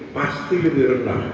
pasti lebih rendah